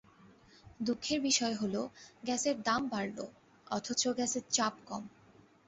দুঃখের বিষয় হলো, গ্যাসের দাম বাড়ল অথচ গ্যাসের চাপ কম।